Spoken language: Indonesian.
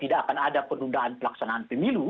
tidak akan ada penundaan pelaksanaan pemilu